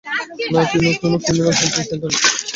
না-কি কোনো criminal training centre?